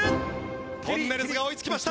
とんねるずが追いつきました。